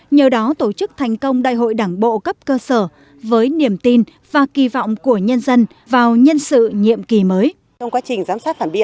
nhờ đó tổ chức thành công đại hội đảng bộ cấp cơ sở với niềm tin và kỳ vọng của nhân dân vào nhân sự nhiệm kỳ mới